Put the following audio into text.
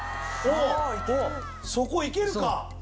そこ行けるか！？